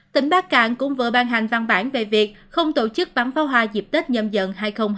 tỉnh bát cạn cũng vừa ban hành văn bản về việc không tổ chức bắn pháo hoa dịp tết nhâm dận hai nghìn hai mươi hai